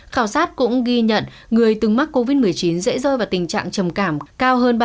khảo sát cũng ghi nhận người từng mắc covid một mươi chín dễ rơi vào tình trạng trầm cảm cao hơn ba mươi